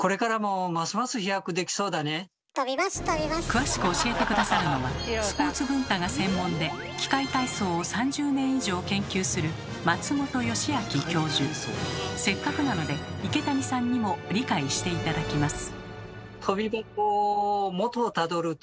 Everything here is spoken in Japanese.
詳しく教えて下さるのはスポーツ文化が専門で器械体操を３０年以上研究するせっかくなので池谷さんにも理解して頂きます。